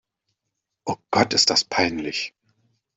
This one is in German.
Oh Gott, ist das peinlich!